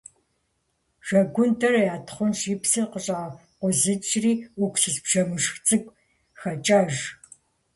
Жэгундэр ятхъунщӏ, и псыр къыщӀакъузыкӀри, уксус бжэмышх цӀыкӀу хакӀэж.